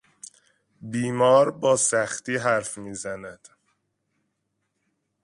بیمار با سختی حرف میزد.